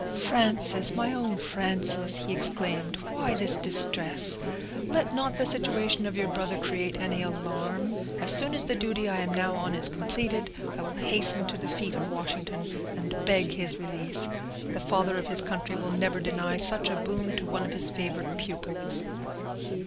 "Frances—my own Frances!" he exclaimed, "why this distress? Let not the situation of your brother create any alarm. As soon as the duty I am now on is completed, I will hasten to the feet of Washington, and beg his release. The Father of his Country will never deny such a boon to one of his favorite pupils."